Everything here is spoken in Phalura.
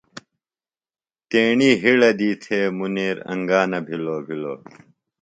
تیݨی ہِڑہ دی تھےۡ مُنیر انگا نہ بِھلوۡ بِھلوۡ۔